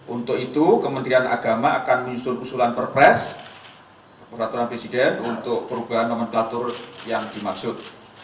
untuk itu kementerian agama akan menyusun usulan perpres peraturan presiden untuk perubahan nomenklatur yang dimaksud